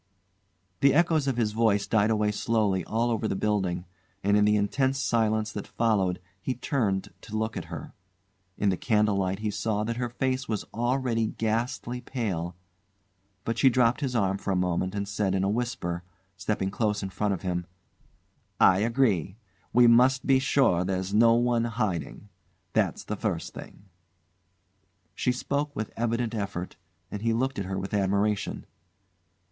The echoes of his voice died away slowly all over the building, and in the intense silence that followed he turned to look at her. In the candle light he saw that her face was already ghastly pale; but she dropped his arm for a moment and said in a whisper, stepping close in front of him "I agree. We must be sure there's no one hiding. That's the first thing." She spoke with evident effort, and he looked at her with admiration.